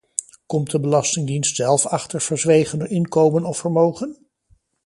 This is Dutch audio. Komt de Belastingdienst zelf achter verzwegen inkomen of vermogen?